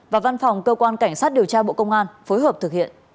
và văn phòng cơ quan cảnh sát điều tra bộ công an phối hợp thực hiện